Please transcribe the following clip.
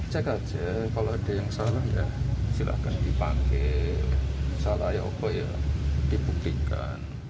cek aja kalau ada yang salah ya silahkan dipanggil salah ya oh ya dibuktikan